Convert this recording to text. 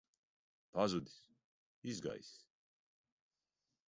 Pazudis. Izgaisis.